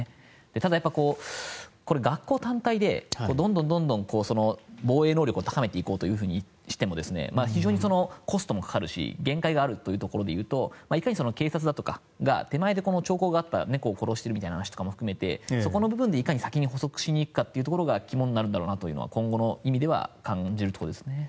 ただ学校単体で、どんどん防衛能力を高めていこうとしても非常にコストもかかるし限界があるというところでいうといかに警察だとかが手前で兆候があった猫を殺しているみたいな話も含めてそこの部分でいかに先に捕捉しに行くかというところが肝になるんだろうなというのは今後の意味では感じるところですね。